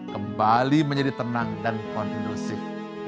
kembali menjadi tenang dan kondusif